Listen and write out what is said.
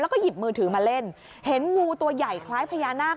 แล้วก็หยิบมือถือมาเล่นเห็นงูตัวใหญ่คล้ายพญานาค